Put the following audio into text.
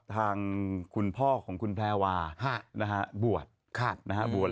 ทางคุณพ่อของคุณแพรวาบวช